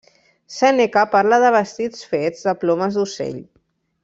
Sèneca parla de vestits fets de plomes d'ocell.